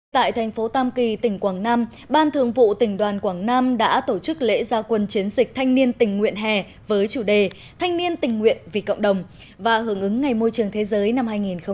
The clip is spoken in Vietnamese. tại thành phố tam kỳ tỉnh quảng nam ban thường vụ tỉnh đoàn quảng nam đã tổ chức lễ gia quân chiến dịch thanh niên tình nguyện hè với chủ đề thanh niên tình nguyện vì cộng đồng và hưởng ứng ngày môi trường thế giới năm hai nghìn hai mươi